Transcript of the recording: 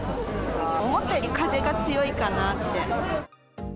思ったより風が強いかなって。